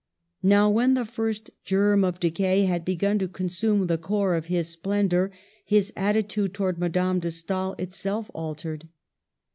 Now, when the first germ of decay had begun to consume the core of his splendor, his attitude towards Madame de Stael itself altered.